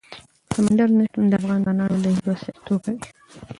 سمندر نه شتون د افغان ځوانانو د هیلو استازیتوب کوي.